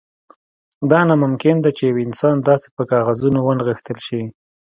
دا ناممکن ده چې یو انسان داسې په کاغذونو ونغښتل شي